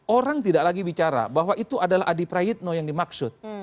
orang tidak lagi bicara bahwa itu adalah adi prayitno yang dimaksud